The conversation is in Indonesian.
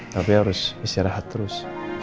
tapi harus istirahat terus